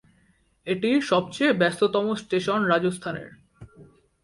এটি সবচেয়ে ব্যস্ততম স্টেশন রাজস্থানের।